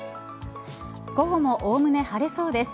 午後も、おおむね晴れそうです。